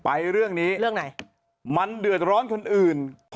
ไปเรื่องนี้มันเดือดร้อนคนอื่น